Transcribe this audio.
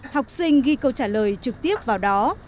học sinh ghi câu trả lời trực tiếp vào đó